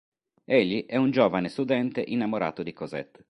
Egli è un giovane studente innamorato di Cosette.